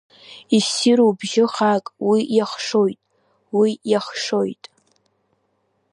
Иссиру бжьы хаак уи иахшоит, уи иахшоит.